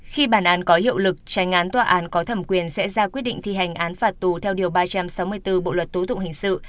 khi bản án có hiệu lực tranh án tòa án có thẩm quyền sẽ ra quyết định thi hành án phạt tù theo điều ba trăm sáu mươi bốn bộ luật tố tụng hình sự